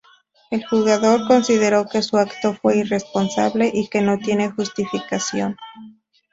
El jugador consideró que su acto fue irresponsable y que no tiene justificación.